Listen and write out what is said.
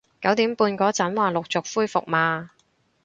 九點半嗰陣話陸續恢復嘛